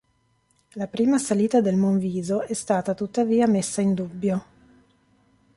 La prima salita del Monviso è stata, tuttavia, messa in dubbio.